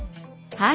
はい。